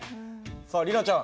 さあ里奈ちゃん